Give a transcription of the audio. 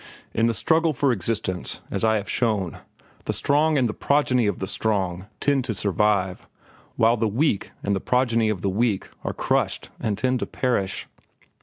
In the struggle for existence, as I have shown, the strong and the progeny of the strong tend to survive, while the weak and the progeny of the weak are crushed and tend to perish.